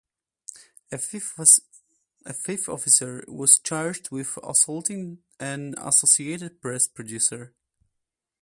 A fifth officer was charged with assaulting an Associated Press producer.